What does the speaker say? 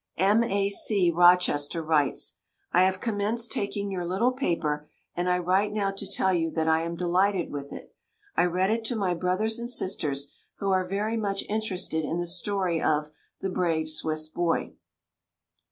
M. A. C., Rochester, writes: I have commenced taking your little paper, and I write now to tell you that I am delighted with it. I read it to my brothers and sisters, who are very much interested in the story of "The Brave Swiss Boy."